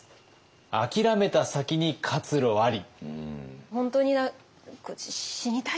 「あきらめた先に活路あり」。